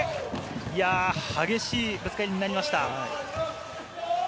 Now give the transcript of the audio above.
激しいぶつかり合いになりました。